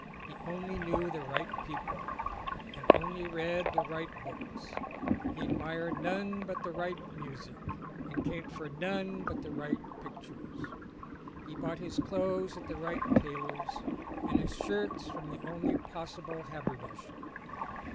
He only knew the right people and only read the right books ; he admired none but the right music and cared for none but the right pictures ; he bought his clothes at the right tailor's and his shirts from the only possible haberdasher.